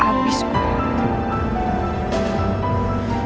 biar gua bisa nolak permintaan riki